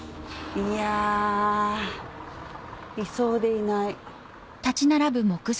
いやいそうでいない。